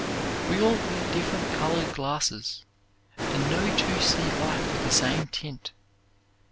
We all wear different colored glasses and no two see life with the same tint.